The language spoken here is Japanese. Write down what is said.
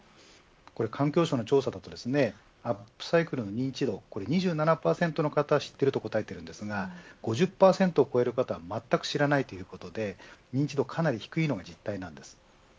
環境省の調査だとアップサイクルの認知度は２７％の方は知っていると答えていますが５０％を超える方はまったく知らないということで認知度がかなり低いのが実態です。